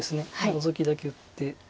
ノゾキだけ打って。